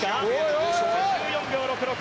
５４秒６６。